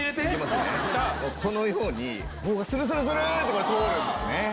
このように棒がスルスルスルッてこれ通るんですね。